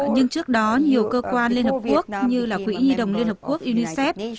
nhưng trước đó nhiều cơ quan liên hợp quốc như là quỹ nhi đồng liên hợp quốc unicef